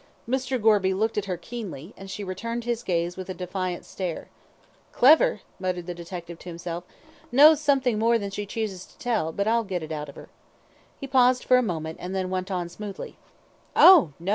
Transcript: Mr. Gorby looked at her keenly, and she returned his gaze with a defiant stare. "Clever," muttered the detective to himself; "knows something more than she chooses to tell, but I'll get it out of her." He paused a moment, and then went on smoothly: "Oh, no!